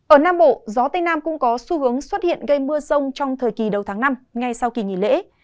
ở nam bộ gió tây nam cũng có xu hướng xuất hiện gây mưa rông trong thời kỳ đầu tháng năm ngay sau kỳ nghỉ lễ